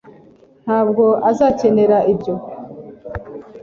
ntabwo uzakenera ibyo